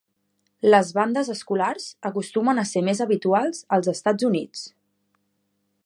Les bandes escolars acostumen a ser més habituals als Estats Units.